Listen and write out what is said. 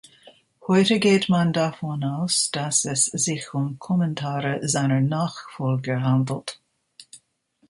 Heute geht man davon aus, dass es sich um Kommentare seiner Nachfolger handelt.